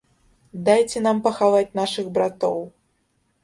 Дайце нам пахаваць нашых братоў!